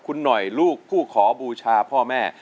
คุณหน่อยลูกผู้ขอบูชาพ่อแม่